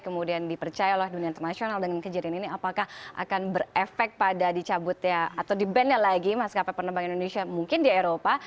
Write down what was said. kemudian dipercaya oleh dunia internasional dengan kejadian ini apakah akan berefek pada dicabutnya atau di bannel lagi maskapai penerbangan indonesia mungkin di eropa